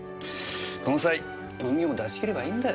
この際膿を出し切ればいいんだよ。